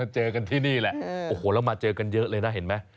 เจอกันที่นี่แหละโอ้โหแล้วมาเจอกันเยอะเลยนะเห็นไหม